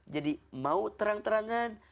jadi mau terang terangan